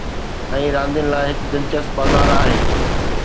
۽ راندين لاء هڪ دلچسپ بازار آهي.